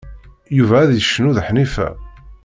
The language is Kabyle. Yuba ad yecnu d Ḥnifa.